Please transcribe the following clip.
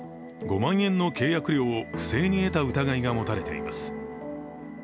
５万円の契約料を不正に得た疑いが持たれています。